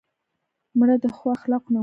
مړه د ښو اخلاقو نمونه وه